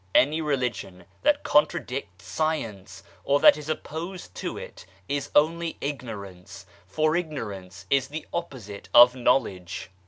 Any religion that contradicts Science or that is opposed to it, is only ignorance for Ignorance is the opposite of Knowledge.